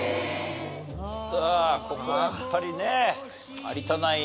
さあここやっぱりね有田ナイン